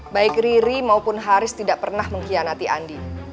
baik riri maupun haris tidak pernah mengkhianati andi